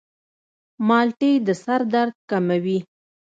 مالټې د سر درد کموي.